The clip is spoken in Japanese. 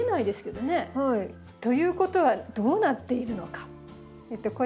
ということはどうなっているのか？